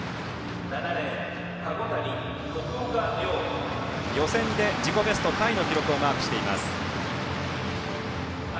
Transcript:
徳岡凌、予選で自己ベストタイの記録をマークしています。